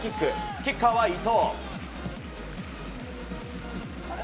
キッカーは伊東。